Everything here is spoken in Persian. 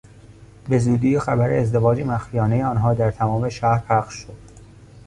بزودی خبر ازدواج مخفیانه آنها در تمام شهر پخش شد.